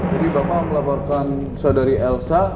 jadi bapak melaporkan saudari elsa